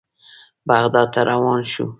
بغداد ته روان شوو.